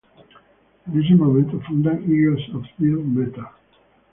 En ese momento fundan Eagles of Death Metal.